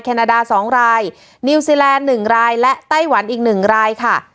นาดา๒รายนิวซีแลนด์๑รายและไต้หวันอีก๑รายค่ะ